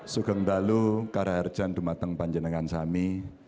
sugeng dalu karaharjan dumateng panjenangan sami